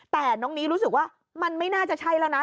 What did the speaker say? แต่น้องนี้รู้สึกว่ามันไม่น่าจะใช่แล้วนะ